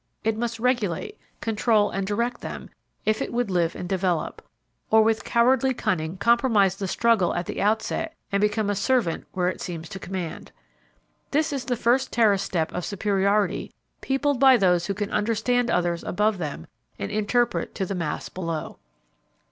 It must regulate, control and direct them if it would live and develop, or with cowardly cunning compromise the struggle at the outset and become a servant where it seems to command. This is the first terrace step of superiority peopled by those who can understand others above them and interpret to the mass below.